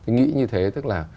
nghĩ như thế tức là